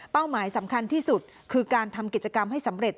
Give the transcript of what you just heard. หมายสำคัญที่สุดคือการทำกิจกรรมให้สำเร็จ